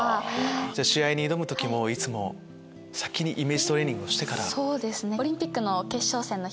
じゃあ試合に挑む時もいつも先にイメージトレーニングをしてから。